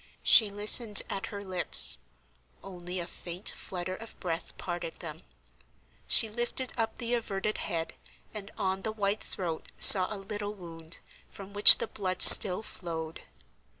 She listened at her lips; only a faint flutter of breath parted them; she lifted up the averted head, and on the white throat saw a little wound, from which the blood still flowed.